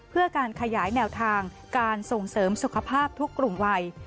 เพื่อการขยายแนวทางการส่งเสริมสุขภาพทุกกลุ่มวัย